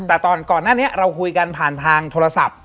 แต่ก่อนหน้านี้เราคุยกันผ่านทางโทรศัพท์